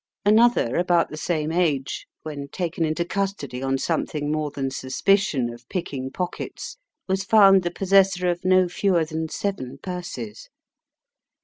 Another, about the same age, when taken into custody on something more than suspicion of picking pockets, was found the possessor of no fewer than seven purses.